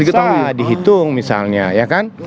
kita dihitung misalnya ya kan